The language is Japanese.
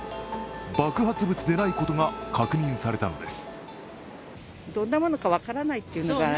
爆発物でないことが確認されたのです。